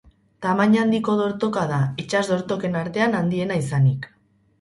Tamaina handiko dortoka da, itsas dortoken artean handiena izanik.